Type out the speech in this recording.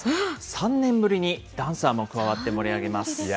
３年ぶりにダンサーも加わって盛り上げます。